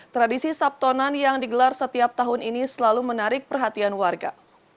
tradisi sabtonan yang digelar setiap tahun ini selalu menarik perhatian warga